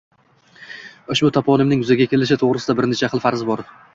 Ushbu toponimning yuzaga kelishi to‘g‘risida bir necha xil faraz bor: